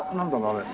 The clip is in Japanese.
あれ。